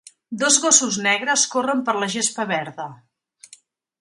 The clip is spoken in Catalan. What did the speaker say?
Dos gossos negres corren per la gespa verda.